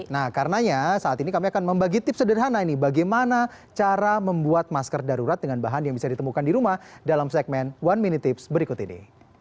nah karenanya saat ini kami akan membagi tips sederhana ini bagaimana cara membuat masker darurat dengan bahan yang bisa ditemukan di rumah dalam segmen one minute tips berikut ini